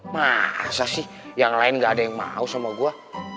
masa sih yang lain enggak ada yang mau sama gue